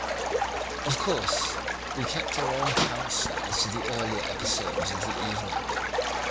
"Of course, we kept our own counsel as to the earlier episodes of the evening.